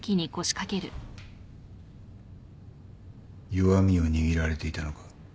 弱みを握られていたのか？